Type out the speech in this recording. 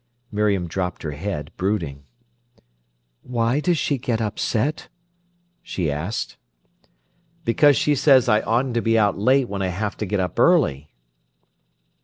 Miriam dropped her bead, brooding. "Why does she get upset?" she asked. "Because she says I oughtn't to be out late when I have to get up early."